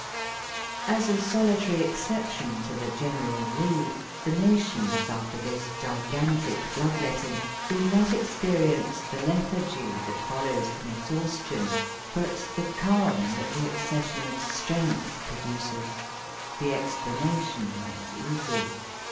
As a solitary exception to the general rule, the nations, after this gigantic blood letting, did not experience the lethargy that follows from exhaustion, but the calm that the accession of strength produces. The explanation is easy.